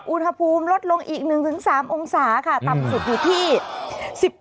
อุณหภูมิลดลงอีก๑๓องศาค่ะต่ำสุดอยู่ที่๑๑